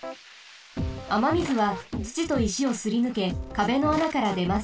あまみずはつちといしをすりぬけかべの穴からでます。